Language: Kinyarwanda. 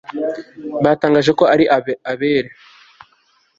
Batangaje ko ari abere